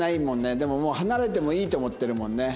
でももう離れてもいいと思ってるもんね。